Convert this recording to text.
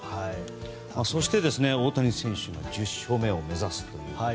そして、大谷選手１０勝目を目指すと。